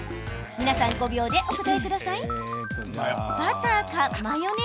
皆さん、５秒でお答えください。